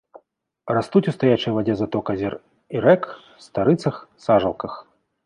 Растуць у стаячай вадзе заток азёр і рэк, старыцах, сажалках.